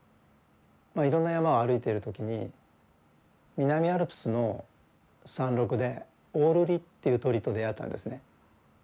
いろんな山を歩いている時に南アルプスの山麓でオオルリっていう鳥と出会ったんですね。